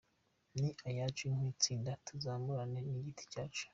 Ni ayacu nk’itsinda Tuzamurane ku giti cyacu.